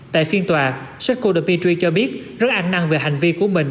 tại phiên tòa shekko dmitry cho biết rất ăn năng về hành vi của mình